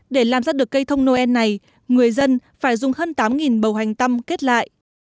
để làm ra được cây thông noel này người dân phải dùng hơn tám bầu hành tâm kết lại